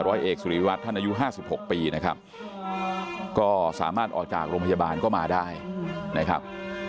ร้อยเอกสุริวัตรท่านอายุ๕๖ปีนะครับก็สามารถออกจากโรงพยาบาลก็มาได้นะครับ